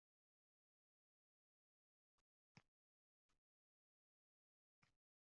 Ko’p olimlar, professorlar, ilm-fan yulduzlarini kalamush poygasida aziyat chekayotgan holda ko’ramiz